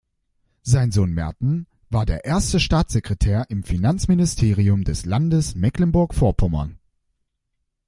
Sein Sohn Merten war der erste Staatssekretär im Finanzministerium des Landes Mecklenburg-Vorpommern.